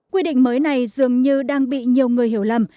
quy định mới này dường như đang bị nhiều người hiểu lầm